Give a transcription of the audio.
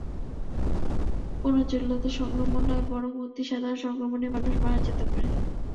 কোনো জটিল সংক্রমণ নয়, বরং অতি সাধারণ সংক্রমণেই মানুষ মারা যেতে পারে।